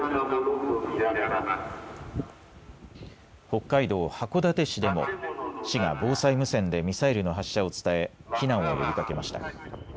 北海道函館市でも市が防災無線でミサイルの発射を伝え、避難を呼びかけました。